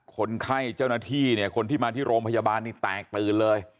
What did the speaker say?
คนไข้เจ้าหน้าที่เนี่ยคนที่มาที่โรงพยาบาลนี่แตกตื่นเลย